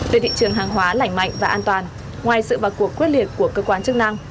về thị trường hàng hóa lảnh mạnh và an toàn ngoài sự vào cuộc quyết liệt của cơ quan chức năng